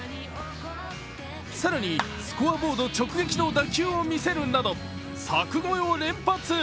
更に、スコアボード直撃の打球を見せるなど柵越えを連発。